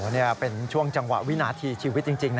นี่เป็นช่วงจังหวะวินาทีชีวิตจริง